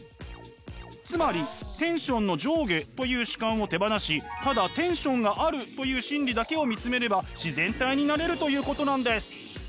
つまりテンションの上下という主観を手放しただテンションがあるという真理だけを見つめれば自然体になれるということなんです。